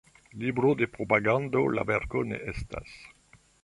Libro de propagando la verko ne estas.